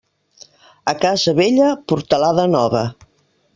A casa vella, portalada nova.